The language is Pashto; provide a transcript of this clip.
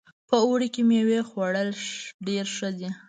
په اوړي کې میوې خوړل ډېر ښه ده